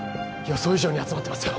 予想以上に集まってますよ